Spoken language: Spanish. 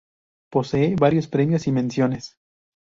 Posee varios premios y menciones.